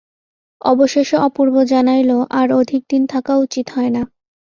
অবশেষে অপূর্ব জানাইল আর অধিক দিন থাকা উচিত হয় না।